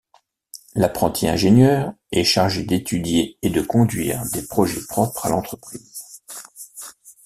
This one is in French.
L'apprenti-ingénieur est chargé d'étudier et de conduire des projets propres à l'entreprise.